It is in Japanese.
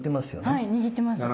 はい握ってます。